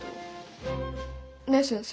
ねえ先生。